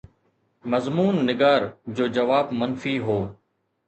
مضمون نگار جو جواب منفي هو.